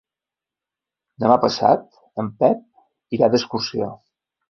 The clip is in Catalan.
Demà passat en Pep irà d'excursió.